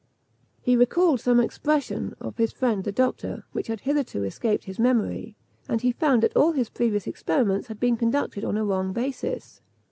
He recalled some expression of his friend the doctor, which had hitherto escaped his memory, and he found that all his previous experiments had been conducted on a wrong basis.